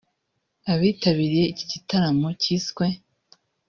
Abitabiriye iki gitaramo cyiswe �